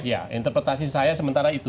ya interpretasi saya sementara itu